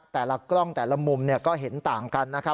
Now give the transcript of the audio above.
แต่ละกล้องแต่ละมุมก็เห็นต่างกันนะครับ